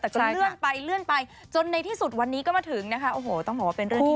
แต่จนเลื่อนไปเลื่อนไปจนในที่สุดวันนี้ก็มาถึงนะคะโอ้โหต้องบอกว่าเป็นเรื่องดี